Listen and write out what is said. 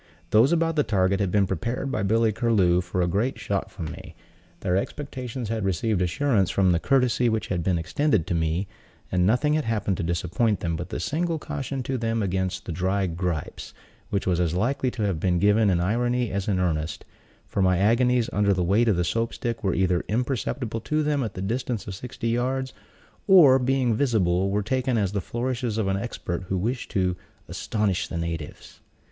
Those about the target had been prepared by Billy Curlew for a great shot from me; their expectations had received assurance from the courtesy which had been extended to me; and nothing had happened to disappoint them but the single caution to them against the "dry gripes," which was as likely to have been given in irony as in earnest; for my agonies under the weight of the Soap stick were either imperceptible to them at the distance of sixty yards, or, being visible, were taken as the flourishes of an expert who wished to "astonish the natives."